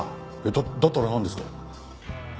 だだったらなんですか？